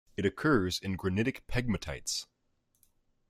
It occurs in granitic pegmatites.